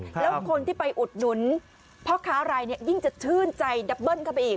แล้วคนที่ไปอุดหนุนพ่อค้ารายนี้ยิ่งจะชื่นใจดับเบิ้ลเข้าไปอีก